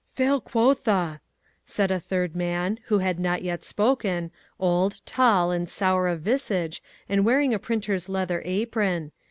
"Fail quotha!" said a third man, who had not yet spoken, old, tall and sour of visage and wearing a printer's leather apron.